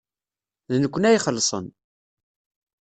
D nekkni ad ixellṣen.